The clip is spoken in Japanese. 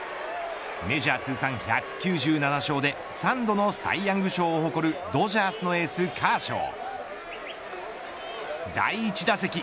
メジャー通算１９７勝で３度のサイ・ヤング賞を誇るドジャーズのエースカーショー。